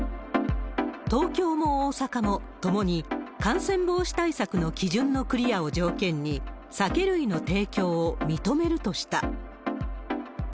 東京も大阪も、共に感染防止対策の基準のクリアを条件に、酒類の提供を認めるとした。